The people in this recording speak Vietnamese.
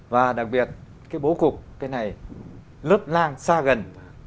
và đặc biệt cái bố cục cái này lớp lang xa gần